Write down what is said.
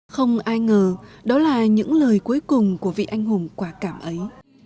không ai ngờ đó là những lời cuối cùng của vị anh hùng quả cảm ấy